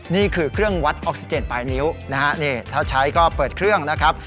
นี่คือเครื่องวัดออกซิเจนปลายนิ้วนะฮะนี่ถ้าใช้ก็เปิดเครื่องนะครับ